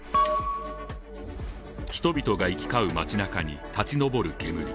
人々が行き交う街なかに立ち上る煙。